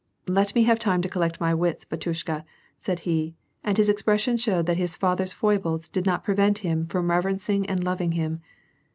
"Let me have time to collect my wits, batyushka," said he, and his expression showed that his father's foibles did not pre vent him from reverencing and loving him.